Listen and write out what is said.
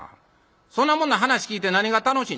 そんなもんの噺聴いて何が楽しい」。